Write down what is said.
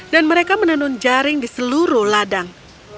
dan mereka menanam jaring di seluruh ladang